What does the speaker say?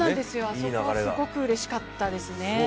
あそこはすごくうれしかったですね。